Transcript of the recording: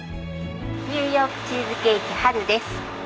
ニューヨークチーズケーキＨＡＲＵです。